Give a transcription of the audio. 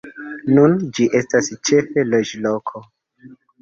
Nun ĝi estas ĉefe loĝloko.